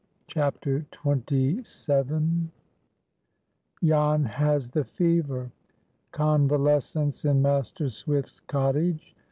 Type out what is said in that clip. CHAPTER XXVII. JAN HAS THE FEVER.—CONVALESCENCE IN MASTER SWIFT'S COTTAGE.